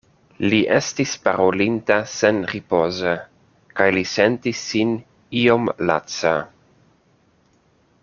Li estis parolinta senripoze, kaj li sentis sin iom laca.